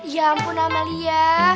ya ampun amalia